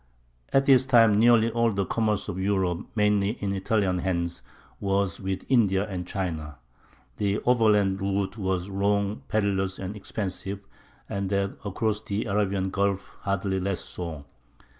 At this time nearly all the commerce of Europe, mainly in Italian hands, was with India and China. The overland route was long, perilous, and expensive, and that across the Arabian Gulf hardly less so.